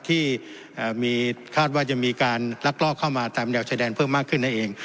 ที่มีคาดว่าจะมีการลักลอบเข้ามาตามแนวชายแดนเพิ่มมากขึ้นนั่นเอง